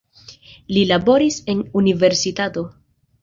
Li laboris en la universitato.